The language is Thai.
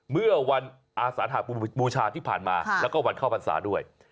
เมื่อวันอาสาบูชาที่ผ่านมาแล้วก็วันเข้าพรรษาด้วย